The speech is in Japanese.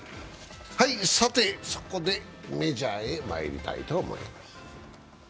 さて、そこでメジャーへまいりたいと思います。